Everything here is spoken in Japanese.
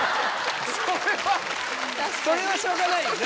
それは。それはしょうがないよね。